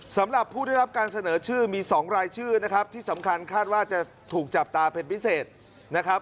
สำหรับผู้ได้รับการเสนอชื่อมี๒รายชื่อนะครับที่สำคัญคาดว่าจะถูกจับตาเป็นพิเศษนะครับ